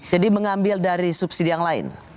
jadi mengambil dari subsidi yang lain